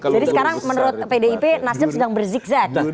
jadi sekarang menurut pdip nasdem sedang berzikzat